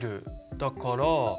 だから。